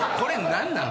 何なん？